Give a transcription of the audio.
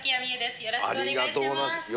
よろしくお願いします。